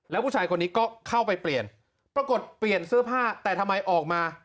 แล้วผู้ชายคนนี้ก็เข้าไปเปลี่ยนปรากฏเปลี่ยนเสื้อผ้าแต่ทำไมออกมา